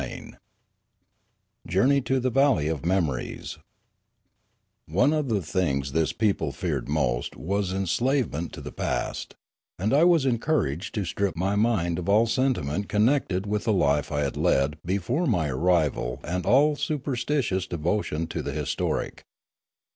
CHAPTER V JOURNEY TO THE VAIXBY OF MEMORIES ONE of the things this people feared most was en slavement to the past ; and I was encouraged to strip my mind of all sentiment connected with the life I had led before my arrival and all superstitious devotion to the historic.